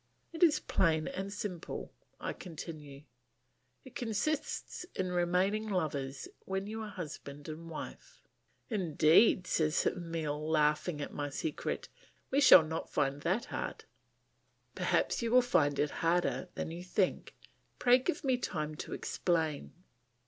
"It is plain and simple," I continue. "It consists in remaining lovers when you are husband and wife." "Indeed," said Emile, laughing at my secret, "we shall not find that hard." "Perhaps you will find it harder than you think. Pray give me time to explain.